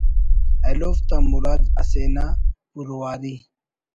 ایلوفتا مُراد اسے نا پورواری